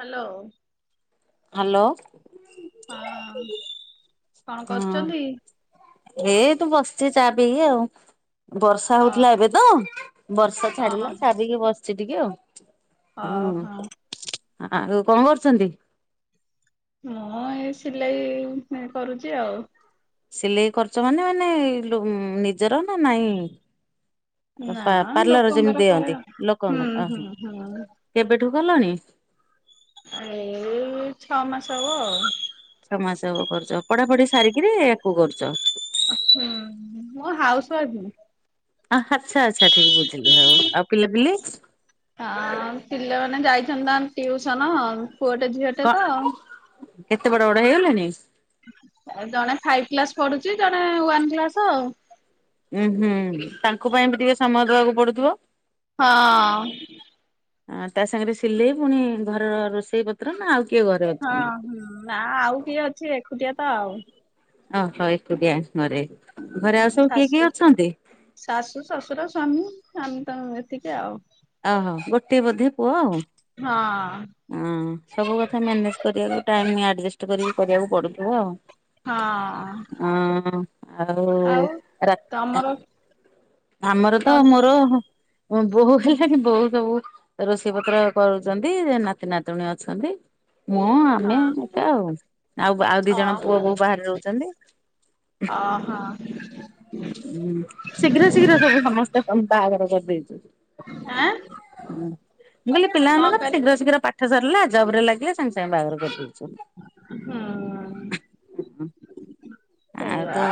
Hello. Hello. ହଁ। କଣ କରୁଛନ୍ତି? ହୁଁ ଏଇ ତୁ ବସିଚ ଚା ପିଇକି ଆଉ। ବର୍ଷା ହଉଥିଲା ହଁ ଏବେ ତ ବର୍ଷା ହଁ ଛାଡିଲା ଛାଡ଼ିକି ବସିଛି ଟିକେ ଆଉ। ହୁଁ ଓହୋ ଆଉ କଣ କରୁଛନ୍ତି? ମୁଁ ଏଇ ସିଲାଇ କରୁଛି ଆଉ। ସିଲେଇ କରୁଛ ମାନେ ମାନେ ନିଜର ନା ନାଇଁ। ନା ପାର୍ଲର ଯେମିତି ଲୋକଙ୍କର କରେ ଦିଅନ୍ତି ଆଉ। ହୁଁ ଲୋକଙ୍କର ହୁଁ ଓହୋ ହୁଁ କେବେଠୁ କଲଣି? ଏଇ ଛଅ ମାସ ହବ ଆଉ। ଛଅ ମାସ ହବ କରୁଛ ପଢାପଢି ସାରିକିରି ୟାକୁ କରୁଛ। ମୁଁ ହାଉସୱାଇଫ୍ ଆଚ୍ଛା ଆଚ୍ଛା ଠିକ୍ ବୁଝିଲି ହଉ ଆଉ ପିଲାପିଲି। ହଁ ପିଲାମାନେ ଯାଇଛନ୍ତି ନା ଟିଉସନ ପୁଅଟେ ଝିଅଟେ ତ। ଏତେ ବଡ ବଡ ହେଇଗଲାଣି। ଜଣେ ଫାଇଭ କ୍ଲାସ ପଢୁଛି ଜଣେ ୱାନ୍ କ୍ଲାସ ଆଉ। ଉୁଁ ହୁଁ ତାଙ୍କ ପାଇଁ ବି ଟିକେ ସମୟ ଦବାକୁ ପଡୁଥିବ। ହଁ। ହ ତା ସାଙ୍ଗରେ ସିଲେଇ ପୁଣି ଘରର ରୋଷେଇ ପତ୍ର ନା ଆଉ କିଏ ଘରେ ହଁ ଅଛନ୍ତି? ହଁ ନା ଆଉ କିଏ ଅଛି ଏକୁଟିଆ ତ ଆଉ। ଓହୋ ଏକୁଟିଆ ଘରେ ଘରେ ଆଉ ସବୁ କିଏ ଶାଶୁ କିଏ ଅଛନ୍ତି? ଶାଶୁ ଶଶୁର ସ୍ୱାମୀ ଆମେ ତ ଏତିକି ଆଉ। ଓହୋ ଗୋଟେ ବୋଧେ ପୁଅ ଆଉ। ହଁ। ହ ସବୁ କଥା ମ୍ୟାନେଜ କରିବାକୁ ଟାଇମ ଆଡଜଷ୍ଟ କରିକି କରିବାକୁ ପଡୁଥିବ ଆଉ। ହଁ। ହଁ ଆଉ ରାତି ତମର? ଆମର ତ ହଁ ମୋର ମୁଁ ବୋହୂ ହେଲାଣି ବୋଉ ସବୁ ରୋଷେଇ ପତ୍ର କରୁଛନ୍ତି। ନାତି ନାତୁଣୀ ଅଛନ୍ତି। ମୁଁ ଆମେ ଏକା ଆଉ, ଆଉ ଆଉ ଦି ହଁ ଜଣ ପୁଅ ଓହୋ ବୋହୂ ବାହାରେ ରହୁଛନ୍ତି। ଓହ। ହୁଁ, ଶୀଘ୍ର ଶୀଘ୍ର ସବୁ ସମସ୍ତେ ବାହାଘର କରିଦେଇଛ ମୁଁ କହିଲି ପିଲା ମାନଙ୍କ କଣ କହିଲ ଶୀଘ୍ର ଶୀଘ୍ର ପାଠ ସରିଲା ଜବ ରେ ଲାଗିଲେ ସାଙ୍ଗେ ସାଙ୍ଗେ ବାହାଘର କରି ଦଉଚନ୍ତି। ହୁଁ। ଆଉ ତ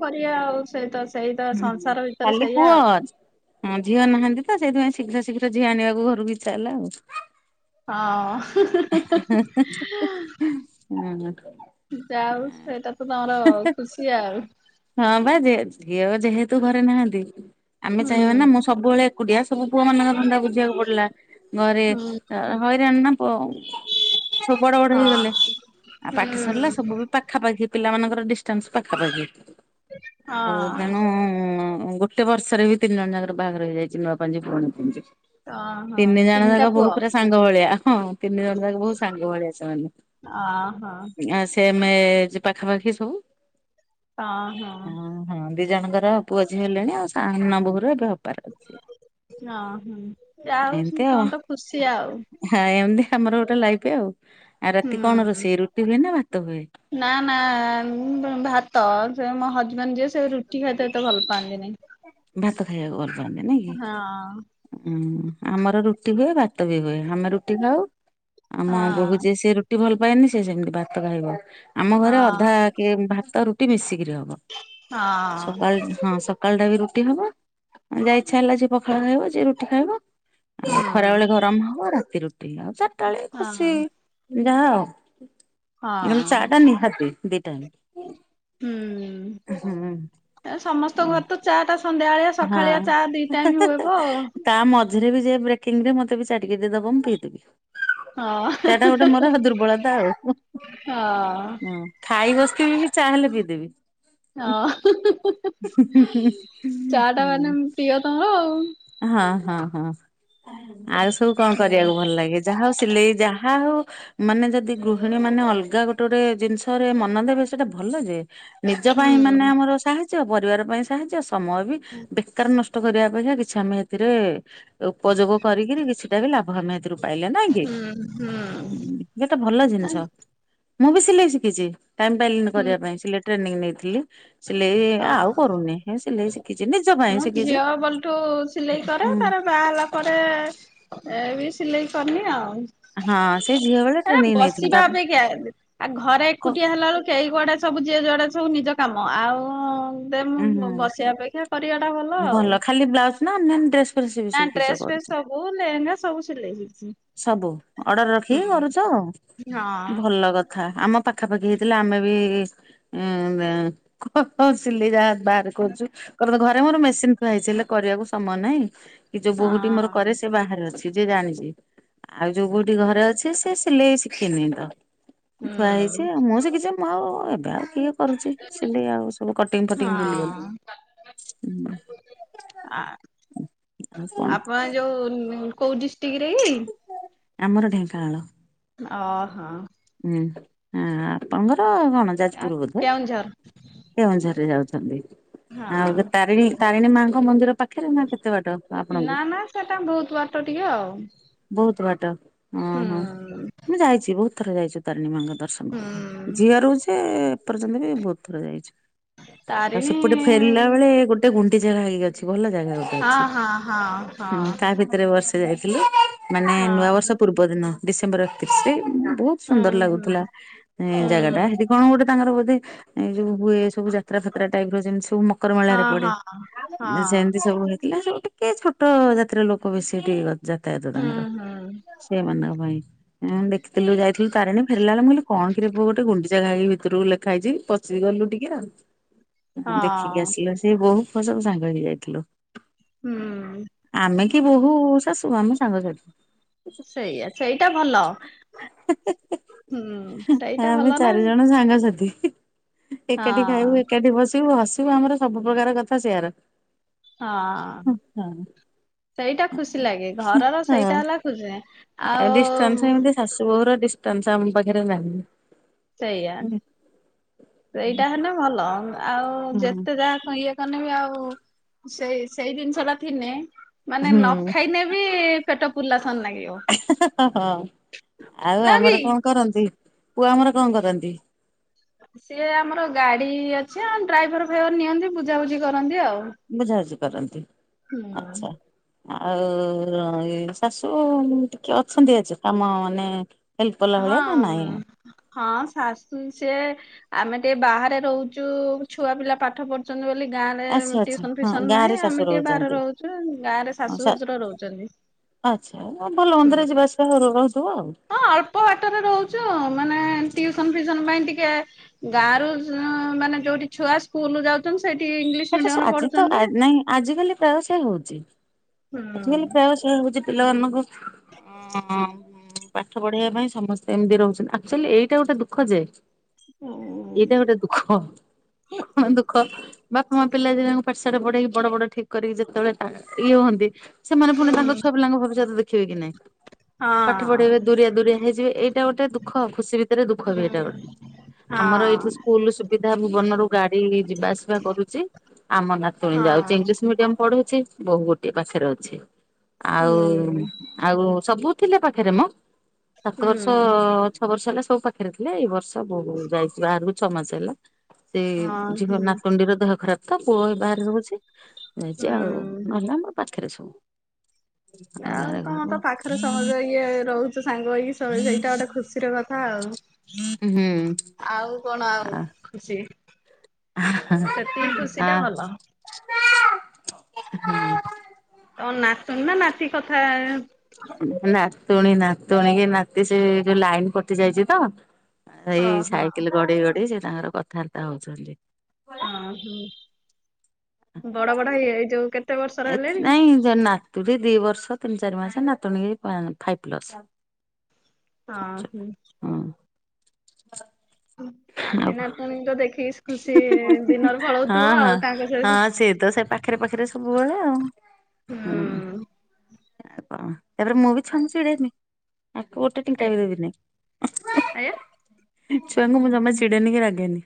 କରିଆ ଆଉ ସେଇତ ସେଇତ ସଂସାର ଭିତରେ ଖାଲି ସେଇଆ ପୁଅ ଆଉ। ହଁ ଝିଅ ନାହାନ୍ତି ତ ସେଥିପାଇଁ ଶୀଘ୍ର ଶୀଘ୍ର ଝିଅ ଆଣିବାକୁ ଘରକୁ ଇଚ୍ଛା ହେଲା ଆଉ। ହଁ। [inaudible] ଉହୁଁ। ଯାଉ ସେଇଟା ତ ତମର ଖୁସି ଆଉ। ହଁ ବା ଯେହେତୁ ସିଏବା ଯେହେତୁ ଘରେ ନାହାନ୍ତି ଆମେ ହୁଁ ଚାହିଁବା ନା ମୁଁ ସବୁବେଳେ ଏକୁଟିଆ ସବୁ ପୁଅ ମାନଙ୍କ ଧନ୍ଦା ବୁଝିବାକୁ ପଡିଲା, ଘରେ ହୁଁ ହଇରାଣ ନା ସବୁ ବଡ ବଡ ହଁ ହେଇଗଲେ। ଆଉ ପାଠ ସରିଲା ହୁଁ। ସବୁ ବି ପାଖାପାଖି ପିଲା ମାନଙ୍କର ଡିଷ୍ଟାନ୍ସ ପାଖାପାଖି। ଆଉ ତେଣୁ ଗୋଟେ ଗୋଟେ ବର୍ଷରେ ବି ତିନି ଜଣ ଯାର ବାହାଘର ହେଇଯାଇଛି। ନୂଆ ପାଞ୍ଜି ପୁରୁଣି ପାଞ୍ଜି। ତ ତିନି ଜଣ ଯାକ ବୋହୂ ପୁରା ସାଙ୍ଗ ଭଳିଆ। ହଁ ତିନି ଜଣ ଯାକ ବୋହୂ ସାଙ୍ଗ ଭଳିଆ ଚଳନ୍ତି। ହଁ, ହଁ। ସେ ଏଜ୍ ପାଖାପାଖି ସବୁ। ହଁ, ହଁ। ହଁ ହଁ ଦି ଜଣଙ୍କର ପୁଅ ଝିଅ ହେଲେଣି ଆଉ ସାନ ବୋହୂର ଏବେ ହବ। ହଁ ଯାହା ହଉ ଏମିତି ଆଉ ସମସ୍ତେ ତ ଖୁସି ଆଉ। ହଁ ଏମିତି ଆମର ଗୋଟେ ଲାଇଫ ଆଉ। ଆଉ ରାତି କଣ ହୁଁ। ରୋଷେଇ ରୁଟି ହୁଏ ନା ଭାତ ହୁଏ? ନା ନା ଭାତ ସେ ମୋ ହଜବେଣ୍ଡ ଯିଏ ସେ ରୁଟି ଖାଇତ ଏତେ ଭଲ ପାଆନ୍ତିନି। ଭାତ ଖାଇବାକୁ ଭଲପାନ୍ତି ହଁ ନାଇଁକି? ହୁଁ ଆମର ରୁଟି ହୁଏ ଭାତ ବି ହୁଏ। ଆମେ ରୁଟି ଖାଉ ହଁ ଆମ ବୋହୂ ଯେ ସେ ରୁଟି ଭଲ ପାଏନି ସେ ସେମିତି ଭାତ ଖାଇବ। ଆମ ହଁ ଘରେ ଅଧା କିଏ ଭାତ ରୁଟି ମିଶିକିରି ହବ। ହଁ ସକାଳ ହଁ ସକାଳ ଟା ବି ରୁ ଟି ହବ। ଆ ଯାହା ଇଚ୍ଛା ହେଲା ଯିଏ ପଖାଳ ଖାଇବ ଯିଏ ରୁଟି ଖାଇବ। ଆଉ ଖରା ହୁଁ ବେଳେ ଗରମ ହବ ରାତିରେ ରୁଟି ଆଉ ଚାରିଟା ବେଳେ ହଁ। ଖୁସି ଯାହା ହଉ କିନ୍ତୁ ହଁ ଚାହାଟା ନିହାତି ଦି ଟାଇମ୍। ହୁଁ, ଆଉ ସମସ୍ତଙ୍କର ଘରେ ତ ଚା ଟା ସନ୍ଧ୍ୟାବେଳେଆ ହଁ ସକାଳିଆ ଚା ଦି ଟାଇମ୍ ହୁଇବ ଆଉ। ତା ମଝିରେ ବି ଯିଏ ବ୍ରେକିଂରେ ମତେ ବି ଚା ଟିକେ ଦେଇଦବ ମୁଁ ପିଇଦେବି। [inaudible] ହଁ ଚା ଟା ଗୋଟେ ମୋର ଦୁର୍ବଳତା ଆଉ। ହଁ, ଖାଇ ବସିିଥିବି ବି ଚା ହାଲେ ପିଇ ଦେବି। ହଁ ହୁଁହୁଁହୁଁ ହୁଁ ‌ ଖଟା ମାନେ ପ୍ରିୟ ତମର ଆଉ। ହଁ-ହଁ-ହଁ, ଆଉ ସବୁ କଣ ହୁଁ କରିବାକୁ ଭଲ ଲାଗେ? ଯାହା ହଉ ସିଲେଇ ଯାହା ହଉ ମାନେ ଯଦି ଗୃହିଣୀମାନେ ଅଲଗା ଗୋଟେ-ଗୋଟେ ଜିନିଷରେ ମନ ଦେବେ ସେଇଟା ଭଲ ଯେ ନିଜ ହୁଁ ପାଇଁ ମାନେ ଆମର ସାହାଯ୍ୟ ପରିବାର ପାଇଁ ସାହାଯ୍ୟ ସମୟ ବି ବେକାର ନଷ୍ଟ କରିବା ଅପେକ୍ଷା କି ଛି ଆମେ ହେଥିରେ ଉପଯୋଗ କରିକିରି କିଛିଟା ବି ଲାଭ ଆମେ ହେଥିରୁ ପାଇଲେ ନାଇଁ କି? ହୁଁ ହୁଁ-ଉଁ ଗୋଟେ ଭଲ ହୁଁ ଜିନିଷ, ମୁଁ ବି ସିଲେଇ ଶିଖିଛି ଟାଇମ୍ ପାଇଲିନି ହୁଁ କରିବା ପାଇଁ ସିଲେଟ୍। ଟ୍ରେନିଂ ନେଇଥିଲି, ସିଲେଇ ହଁ। ଆଉ କରୁନି ସିଲେଇ ଶିଖିଛି ନିଜ ପାଇଁ ଶିଖିଛି। ବଲଠୁସ୍ ସିଲେଇ କରେ ହୁଁ। ତାରେ ବାହା ହେଲା ପରେ-ଏ-ଏ ଏ ବି ସିଲେଇ କରିନି ଆଉ। ହଁ ସେଇ ଝିଅ ବେଳେ ହେ ଟ୍ରେନିଂ ନେଇଥିଲୁ ବସିବା ତାପରେ ଅପେକ୍ଷା ଆଉ ଘରେ କ ଏକୁଟିଆ ହେଲା ବେଳୁ କେହି କୁଆଡେ ସବୁ ଯିଏ ଯୁଆଡେ ସବୁ ନିଜ କାମ ଆଉ-ଉ-ଉ ଦେ ଉଁ ମୁଁ ବସିବା ଅପେକ୍ଷା କରିବାଟା ଭଲ ଆଉ, ଖାଲି ବ୍ଲାଉଜ ନା ଅନ୍ୟାନ୍ୟ ଡ୍ରେସ ଫ୍ରେସ ବି ନା ଶିଖିଛ ଡ୍ରେସ୍ ଫେସ୍ କରୁଛ? ସବୁ ବୋହୂ ଲେହେଙ୍ଗା ସବୁ ସିଲେଇ ହେଇଛି। ସବୁ? ଅର୍ଡର ରଖିକି କରୁଛ, ହଁ ଭଲ କଥା ଆମ ପାଖ ପାଖାପାଖି ହେଇଥିଲା ଆମେ ବି-ଇ-ଇ ଇଁ-ଇଁ-ଇଁ ସିଲେଇ ଯାହା ବାହାରେ କରୁଛୁ କରନ୍ତୁ, ଘରେ ମୋର ମେସିନ୍ ଥୁଆ ହେଇଛି ହେଲେ କରିବାକୁ ସମୟ ନାହିଁ। କି ଯୋଉ ବୋହୂଟି ମୋର ହଁ କରେ ସେ ବାହାରେ ଅଛି, ଯିଏ ଜାଣିଛି। ଆଉ ଯୋଉ ବୋହୂଟି ଘରେ ଅଛି ସେ ସିଲେଇ ଶିଖିନି ତ, ଥୁଆ ହେଇଛି ହୁଁ ଆଉ ମୁଁ ଶିଖିଛି ଯେ ମୁଁ ଆଉ-ଉ-ଉ ଏବେ ଆଉ କିଏ କରୁଛି, ସିଲେଇ ଆଉ ସବୁ କଟିଙ୍ଗ ଫଟିଙ୍ଗ ଭୁଲିଗଲିଣି। ଆଉ କଣ ଆ-ଆପଣ ଯୋଉ-ଉ-ଉ କୋଉ ଡିଷ୍ [unintelligible] ଆମର ଢେଙ୍କାନାଳ। ଅ-ହଁ। ହୁଁ, ଆଁ-ଆଁ-ଆପଣଙ୍କର କଣ? ଆ ଯାଜପୁର ବୋଧେ କେଉଁଝର। କେଉଁଝରରେ ଯାଉଛନ୍ତି, ଆଉ ହଁ। [inaudible] ତାରିଣୀ-ତାରିଣୀ ମାଆଙ୍କ ମନ୍ଦିର ପାଖରେ ନା କେତେ ବାଟ? ଆପଣଙ୍କୁ? ନା-ନା ସେଟା ବହୁତ ବାଟ ଟିକେ ଆଉ। ବହୁତ ବାଟ, ହୁଁ ଅଁ-ହଁ ମୁଁ ଯାଇଛି ବହୁତ ଥର ଯାଇଛୁ ତାରିଣୀ ମାଆଙ୍କର ଦର୍ଶନ କରି, ହୁଁ। ଝିଅ ରହୁଛି ଏପର୍ଯ୍ୟନ୍ତ ବି ବହୁତ ଥର ଯାଇଛୁ। ଆଉ ତାରିଣୀ ସେପଟେ ଫେରିଲା ବେଳେ ଗୋଟ୍ ଗୋଟେ ଗୁଣ୍ଡିଚା ଘାଇ ଅଛି, ଭଲ ଜାଗା ଗୋଟେ ହଁ ଅଛି, ହଁ ହଁ ହଁ ହୁଁ ତା ଭିତରେ ବର୍ଷେ ଯାଇଥିଲୁ। ମାନେ ହଁ। ନୂଆବର୍ଷ ପୂର୍ବ ଦିନ ଡିସେମ୍ବର ଏକତିରିଶରେ ବହୁତ୍ ହୁଁ ସୁନ୍ଦର ହୁଁ ଲାଗୁଥିଲା ଏଁ-ଏଁ ହୁଁ ଜାଗାଟା, ହେଠି କଣ ଗୋଟେ ତାଙ୍କର ବୋଧେ ଏଇ ଯୋଉ ହୁଏ ସବୁ ଯାତ୍ରା ଫାତ୍ରା ଟାଇପର ଯେମିତି ସବୁ ମ ମକର ହଁ ମେଳାରେ ପଡେ ହଁ ହଁ ସେମିତି ସବୁ ହେଇଥିଲା ସବୁ ଟିକ୍ କି ଛୋଟ-ଅ-ଅ ଜାତିର ଲୋକ ବେଶୀ ଟିକେ ଯାତାୟାତ ହୁଁ ତାଙ୍କର, ହୁଁ। ସେମାନଙ୍କ ପାଇଁ ଉଁ-ଉଁ ଦେଖିଥିଲୁ ଯାଇଥିଲୁ ତାରେଣୀ ଫେରିଲା ବେଳେ ମୁଁ କଇଲି କଣ କିରେ ପୁଅ ଗୋଟ ଗୁଣ୍ଡିଚା ଘାଇ ଭିତରକୁ ଲେଖା ହେଇଛି ପ ପଶିଗଲୁ ଟିକେ ଆଉ, ଦେଖିକି ହଁ ଆସିଲୁ ସେ ବୋହୂ ଫୋଉ ସବୁ ସାଙ୍ଗ ହେଇକି ଯାଇଥିଲୁ। ହୁଁ। ଆମେ କି ବୋହୂ-ଊ-ଊ ଶାଶୁ ଆମେ ସାଙ୍ଗସାଥି। ସେଇଆା ସେଇଟା ଭଲ। ହୁଁ ସେଇଟା ଭଲ ଆମେ ନା ଚାରି ଜଣ ସାଙ୍ଗସାଥି। ଏକାଠି ଖାଇବୁ ହଁ। ଏକାଠି ବସିବୁ ହସିବୁ ଆମର ସବୁ ପ୍ରକାର କଥା ସେଆର। ହଁ ସେଇଟା ଖୁସି ଲାଗେ ଘରର ସେଇଟା ହେଲା ଖୁସି। ଆଉ ଡିଷ୍ଟାନ୍ସ ଏମତି ଶାଶୁ ବୋହୂର ଡିଷ୍ଟାନ୍ସ ଆମ ପାଖରେ ନାହି। ସେଇଆ ସେଇଟା ହେଲେ ଭଲ ଆଉ ଯେତେ ଯାହା ଇଏ କନେ ବି ଆଉ ସେଇ ସେଇ ଜିନିଷ ଟା ଥିନେ ମାନେ ନ ହଁ। ଖାଇନେ ବି ପେଟ ପୁର୍ଲାସନ୍ନ ଲାଗିବ। ହ ଆଉ ନୁହଁ କି? ଆମର କଣ କରନ୍ତି ପୁଅ ଆମର କଣ କରନ୍ତି? ସିଏ ଆମର ଗାଡି ଅଛି ଆ ଡ୍ରାଇଭର ଫାଇଭର ନିଅନ୍ତି ବୁଝାବୁଝି କରନ୍ତି ଆଉ। ବୁଝା ବୁଝି କରନ୍ତି। ହୁଁ। ଆଚ୍ଛା। ଆଉ ଶାଶୁ ଟିକେ ଅଛନ୍ତି ଆଜି କାମ ମାନେ ହେଲ୍ପ କଲା ଭଳିଆ ନା ହଁ ନାହିଁ। ହଁ ଶାଶୁ ସିଏ ଆମେ ଟିକେ ବାହାରେ ରହୁଛୁ ଛୁଆ ପିଲା ପାଠ ପଢୁ ବୋଲି ଗାଁରେ ଆଚ୍ଛା ଆଚ୍ଛା ଟିଉସନ ହଁ ଫିଉସନ ଗାଁ ରେ ନାହିଁ ଶାଶୁ ଆମେ ଟିକେ ବାହରେ ରହୁଛନ୍ତି ରହୁଛୁ ଗାଁରେ ଶାଶୁ ଶ୍ୱଶୁର ରହୁଛନ୍ତି। ଆଚ୍ଛା ଆ ଭଲ ହୁଁ ମନ୍ଦରେ ଯିବା ଆସିବା ରୋଗ ହଉଥିବ ଆଉ। ହଁ ଅଳ୍ପ ବାଟରେ ରହୁଛୁ ମାନେ ଟ୍ୟୁସନ ଫିସନ ପାଇଁ ଟିକେ ଗାଁରୁ ମାନେ ଯୋଉଠି ଛୁଆ ସ୍କୁଲ ଯାଉଛନ୍ତି ସେଇଠି ଇଂଲିଶ ଆଚ୍ଛା ସେ ମିଡିୟମ ରେ ଆଜି ତ ପଢୁଛନ୍ତି। ନାଇଁ ଆଜିକାଲି ପ୍ରାୟ ସେଇ ହଉଛି ହୁଁ ଆଜିକାଲି ପ୍ରାୟସ ହଉଛି ପିଲାମାନଙ୍କୁ ପାଠ ପଢେଇବା ପାଇଁ ସମସ୍ତେ ଏମିତି ରହୁଛନ୍ତି ଆଚୁଆଲି ଏଇଟା ଗୋଟେ ଦୁଃଖ ଯେ ହୁଁ। ଏଇଟା ଗୋଟେ ଦୁଃଖ କଣ ଦୁଃଖ। ବାପା ମା ପିଲା ଦଙ୍କୁ ପାଠଶାଢେ ପଢେଇକି ବଡ ବଡ ଠିକ କରିକି ଯେତେବେଳେ ଇଏ ହୁଅନ୍ତି। ସେମାନେ ପୁଣି ତାଙ୍କ ହୁଁ ଛୁଆ ପିଲାଙ୍କ ଭବିଷ୍ୟତ ଦେଖିବେ କି ନାଇଁ। ପାଠ ହଁ ପଢେଇବେ ଦୁରିଆ ଦୁରିଆ ହେଇଯିବେ ଏଇଟା ଗୋଟେ ଦୁଃଖ ଖୁସି ଭିତରେ ଦୁଃଖ ବି ଏଇଟା ଗୋଟେ। ଆମର ହଁ ଏଇଠି ସ୍କୁଲ ସୁବିଧା ଭବନରୁୁ ଗାଡି ଯିବା ଆସିବା କରୁଛି। ଆମ ନାତୁଣି ଯାଉଛି ହଁ ଇଂଲିଶ ମିଡିୟମ। ପଢୁଛି ବହୁ ଗୋଟିଏ ପାଖରେ ଅଛି ଆଉ ହୁଁ। ଆଉ ସବୁ ଥିଲେ ପାଖରେ ମ ସାତ ହୁଁ ବର୍ଷ ଛ ବର୍ଷ ହେଲା ସବୁ ପାଖରେ ଥିଲା ଏଇ ବର୍ଷ ବହୁ ଯାଇଛି ବାହାରାରୁ ଛଅ ମାସ ହେଲା। ସେଝି ହଁ ନାତୁଣ୍ଡିର ଦେହ ଖରାପ ତ ପୁଅ ବାହାରେ ରହୁଛି ଯାଇଛି ଆଉ। ଭଲ ମୁଁ ପାଖରେ ଅଛି। ଆଉ ତମ ତ ପାଖରେ ସମସ୍ତେ ଇଏ ରହୁଛି। ସାଙ୍ଗ ହେଇକି ସେଇଟା ଗୋଟେ ଖୁସିର କଥା ଆଉ ହୁଁ। ଆଉ। କଣ ଆଉ ଆ ଖୁସି ସେତିକି ଖୁସି ଆ ଟା ଭଲ। ହୁଁ। ତମ ନାତୁଣୀ ନା ନାତି କଥା ନାତୁଣୀ ନାତୁଣୀ ନାତି ସେ ଯୋଉ ଲାଇନ କଟି ଯାଇଛି ତ ଏଇ ହଁ ହଁ ସାଇକେଲ ଗଡେଇ ଗଡେଇ ସେ ତାଙ୍କର କଥାବାର୍ତା ହଉଛନ୍ତି। ଓହୋ ବଡ ବଡ ହେଇ ଏଇ ଯୋଉ କେତେ ବର୍ଷର ଏ ହେଲେଣି? ନାଇଁ ଯ ନାତୁଡି ଦି ବର୍ଷ ତିନି ଚାରି ମାସ ନାତୁଣୀ କି ଏଇ ଫାଇପ ପ୍ଲସ। ହଁ ହୁଁ। ହୁଁ [unintelligible] ଆଉ ନାତି ହଁ ନାତୁଣୀକୁ ତ ଦେଖିକି ଖୁସି ଦିନରେ ପଳଉଥିବ ଆଉ ତାଙ୍କ ସହିତ। ସିଏ ତ ସେ ପାଖରେ ପାଖରେ ସବୁବେଳେ ଆଉ ହୁଁ। ଆ କଣ ତାପରେ ମୁଁ ବି ଛନ୍ଦଛିଡେଇମି। ଆ ଗୋଟେ ଟିଙ୍କା ଏ ବି ଦେବିନି ଆଜ୍ଞା ଛୁଆଙ୍କୁ ମୁଁ ଜମା ଚିଡେନି କି ରାଗେନି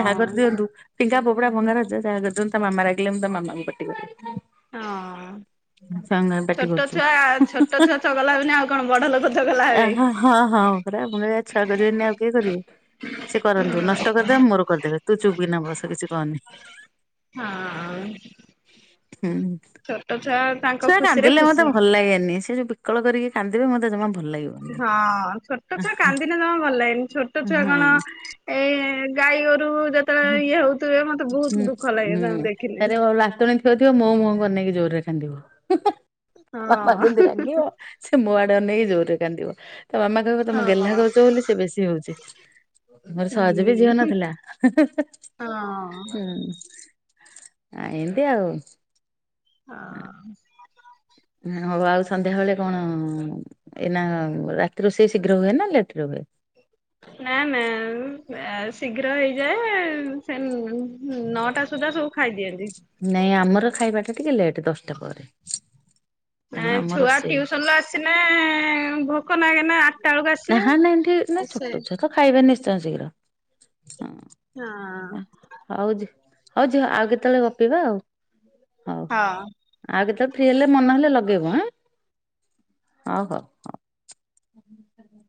ଯାହା କରିଦିଅନ୍ତୁ ଫିଙ୍ଗା ପୋପଡା ଭଙ୍ଗାରୁଜା ତା ମାମା ରାଗିଲେ ମୁଁ ତା ମାମାକୁ ପାଟି କରେ ହଁ। ଛୁଆ ଛୋଟ ଛୁଆ ଙ୍କୁ ଛୋଟ ଛୁଆ କାହିଁକି ଚଗଲା ହେବେନି ଆଉ ପାଟି କଣ ବଡ ଲୋକ କରୁଛୁ ଚଗଲା ହେବେ। ଆହ ହଁ ହଁ ପରା ଛୁଆ କରିବେନି ଆଉ କିଏ କରିବେ ସେ କରନ୍ତୁ ହଁ ନଷ୍ଟ କରିଦେବେ ମୋର କରିଦେବେ ତୁ ଚୁପ କିନା ବସ କିଛି କହନି ହଁ ହୁଁ। ଛୋଟ ଛୁଆ ତାଙ୍କ ଛୁଆ ଖୁସିରେ କାନ୍ଦିଲେ ମତେ ଖୁସି। ଭଲ ଲାଗେନି ସେ ଯୋଉ ବିକଳ କରିକି କାନ୍ଦିବେ ମତେ ଜମା ଭଲ ଲାଗିବ ହଁ ଛୋଟ ଛୁଆ କାନ୍ଦିଲେ ଜମା ଭଲ ଲାଗନି ଛୋଟ ହଁ ଛୁଆ କଣ ହୁଁ ଏ ଗାଈ ଗୋରୁ ଯେତେବେଳେ ଇଏ ହଉଥିବେ ମତେ ବହୁତ ଦୁଃଖ ଲାଗେ ତାଙ୍କୁ ଦେଖିଲେ ଥିବେ ଥିବ ମୋ ମୁହଁ କୁ ଅନେଇକି ଜୋର ରେ କାନ୍ଦିବ ବାପା ଯେମିତି ହଁ ରାଗିବ ସେ ମୋ ଆଡେ ଅନେଇ କି ଜୋରରେ କାନ୍ଦିବ ତା ମାମା କହିବ ତମେ ଗେହ୍ଲା ହଁ କରୁଛ ବୋଲି ସେ ବେଶୀ ହଉଛି ମୋର ସହଜ ବି ଝିଅ ହୁଁ ନଥିଲା ହଁ। ହୁଁ ଆ ଏମିତି ଆଉ ହଁ ହଉ ଆଉ ସନ୍ଧ୍ୟାବେଳେ କଣ ଏଇନା ରାତି ରୋଷେଇ ଶୀଘ୍ର ହୁଏ ନା ଲେଟ ହୁଏ ନା ନା ଶୀଘ୍ର ହେଇଯାଏ ସେ ହୁଁ ନଅଟା ସୁଦ୍ଧା ସବୁ ଖାଇଦିଅନ୍ତି ନାଇଁ ଆମର ଖାଇବା ଟା ଟିକେ ଲେଟ୍ ଦଶଟା ପରେ ତେଣୁ ନା ଆମ ଛୁଆ ରୋଷେଇ ଟିଉସନରୁୁ ଆସିନେ ଭୋ ଭୋକ ନା କେ ନା ଆଠଟା ବେଳକୁ ଆସିବେ ନାହା ନାଇଁ ଏଠି ନା ଆ ସେ ଛୋଟ ଛୁଆ ତ ଖାଇବେ ନିଶ୍ଚୟ ଶୀଘ୍ର ହଁ ହଁ ହଉ ଝି ହଉ ଝିଅ ଆଉ କେତେବେଳେ ଗପିବା ଆଉ ହଉ ହଁ। ଆଉ କେତେବେଳେ ଫ୍ରି ହେଲେ ମନ ହେଲେ ଲଗେଇବୁ ହାଁ ହଉ ହଉ ହଉ ହୁ